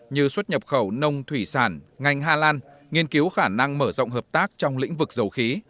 như xuất nhập khẩu nông thủy sản ngành hà lan nghiên cứu khả năng mở rộng hợp tác trong lĩnh vực dầu khí